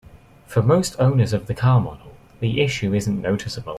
For most owners of the car model, the issue isn't noticeable.